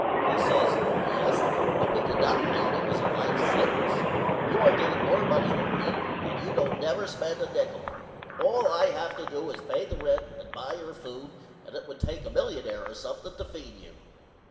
He says Yes but we did not mean it was a life sentence. You are getting more money than me and you don't never spend a nichol. All I have to do is pay the rent and buy your food and it would take a millionare or something to feed you.